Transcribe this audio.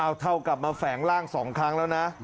เอาเท่ากลับมาแฝงร่าง๒ครั้งแล้วนะ